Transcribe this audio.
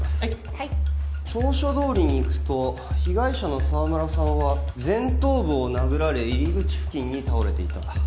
はい調書どおりにいくと被害者の沢村さんは前頭部を殴られ入り口付近に倒れていた